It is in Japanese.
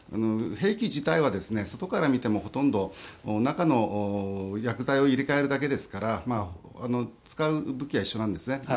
兵器自体は外から見てもほとんど中の薬剤を入れ替えるだけですから使う武器は一緒なんですね。